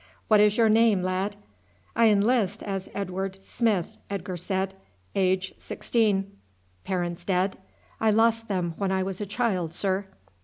"What is your name, lad?" "I enlist as Edward Smith," Edgar said, "age sixteen." "Parents dead?" "I lost them when I was a child, sir."